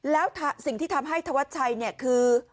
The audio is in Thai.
แล้วสิ่งที่ทำให้ธวัดชัยเนี่ยคือ